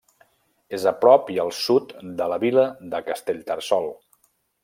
És a prop i al sud de la vila de Castellterçol.